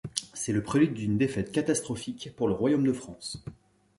C'est le prélude d'une défaite catastrophique pour le royaume de France.